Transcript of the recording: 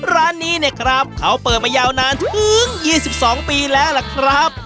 ร้านนี้เนี่ยครับเขาเปิดมายาวนานถึง๒๒ปีแล้วล่ะครับ